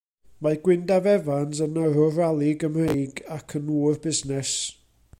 Mae Gwyndaf Evans yn yrrwr rali Gymreig ac yn ŵr busnes.